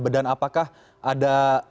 dan apakah ada